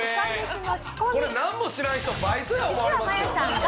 これなんも知らん人バイトや思われますよ。